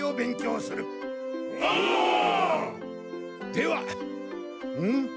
ではん！？